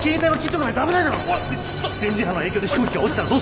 電磁波の影響で飛行機が落ちたらどうすんだ！？